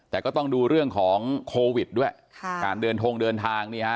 แต่ก็ต้องดูเรื่องของโควิดด้วยค่ะการเดินทงเดินทางนี่ฮะ